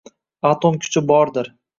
Атом кучи бордир